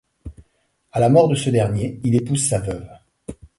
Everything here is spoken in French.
À la mort de ce dernier, il épouse sa veuve.